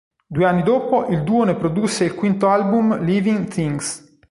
Due anni dopo il duo ne produsse il quinto album "Living Things".